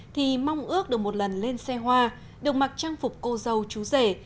thì mong ước được một lần lên xe hoa được mặc trang phục cô dâu chú rể